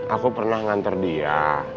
aku pernah ngantor dia